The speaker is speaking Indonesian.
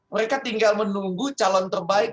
mereka tinggal menunggu calon terbaik